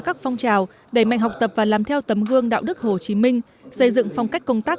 các phong trào đẩy mạnh học tập và làm theo tấm gương đạo đức hồ chí minh xây dựng phong cách công tác